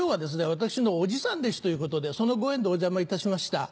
私のおじさん弟子ということでそのご縁でお邪魔いたしました。